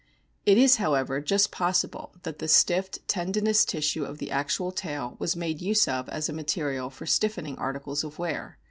It is, however, just possible that the stiff, tendinous tissue of the actual tail was made use of as a material for stiffening articles of wear.